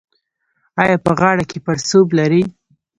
ایا په غاړه کې پړسوب لرئ؟